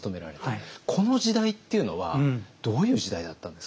この時代っていうのはどういう時代だったんですか？